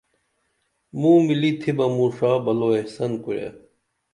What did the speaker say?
موں ملی تِھی بہ موں شاں بلو احسن کُرے